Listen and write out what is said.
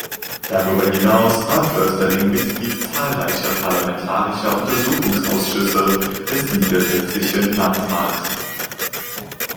Darüber hinaus war Försterling Mitglied zahlreicher Parlamentarischer Untersuchungsausschüsse des Niedersächsischen Landtags.